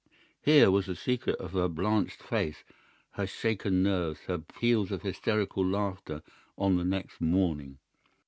"Here was the secret of her blanched face, her shaken nerves, her peals of hysterical laughter on the next morning.